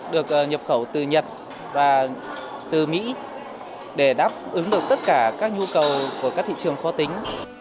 được nhập khẩu từ nhật và từ mỹ để đáp ứng được tất cả các nhu cầu của các thị trường khó tính